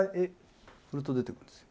振ると出てくるんですよ。